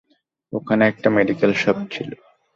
ওখানে একটা medical shop ছিল।